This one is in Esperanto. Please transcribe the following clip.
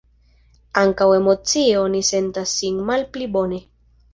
Ankaŭ emocie oni sentas sin malpli bone.